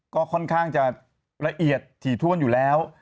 ก็ค่อนข้างจะละเอียดถี่ถ้วนอยู่แล้ว